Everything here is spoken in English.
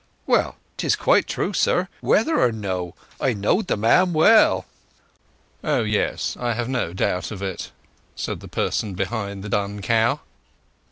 "Well, 'tis quite true, sir, whether or no. I knowed the man well." "Oh yes; I have no doubt of it," said the person behind the dun cow.